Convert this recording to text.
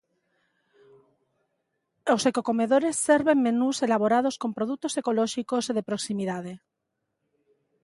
Os ecocomedores serven menús elaborados con produtos ecolóxicos e de proximidade.